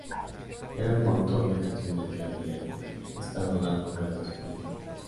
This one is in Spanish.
Eran un montón de canciones que habían estado dando vueltas por un tiempo.